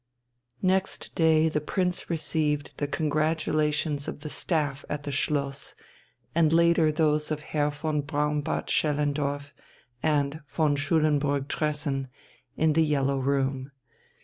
Next day the Prince received the congratulations of the staff at the Schloss, and later those of Herr von Braunbart Schellendorf and von Schulenburg Tressen in the Yellow Room.